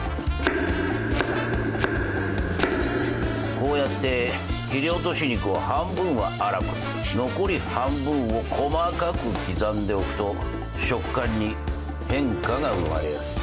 こうやって切り落とし肉を半分は粗く残り半分を細かく刻んでおくと食感に変化が生まれやす。